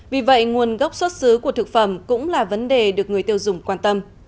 vì vậy nguồn gốc xuất xứ của thực phẩm cũng là vấn đề được người tiêu dùng quan tâm